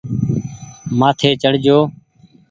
مآٿي چڙ جو۔